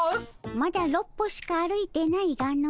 まだ６歩しか歩いてないがの。